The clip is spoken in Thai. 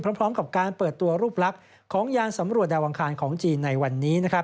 พร้อมกับการเปิดตัวรูปลักษณ์ของยานสำรวจดาวอังคารของจีนในวันนี้